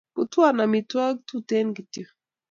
Putwon amitwakik tuten kityok